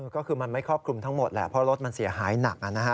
ก็คือมันไม่ครอบคลุมทั้งหมดแหละเพราะรถมันเสียหายหนัก